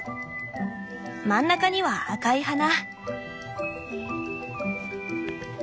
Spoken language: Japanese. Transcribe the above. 真ん中には赤い花！